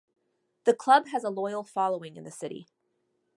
The club has a loyal following in the city.